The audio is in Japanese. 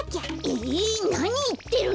えなにいってるの！